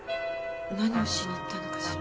何をしに行ったのかしら？